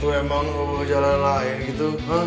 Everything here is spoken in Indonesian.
itu emang jalan lain gitu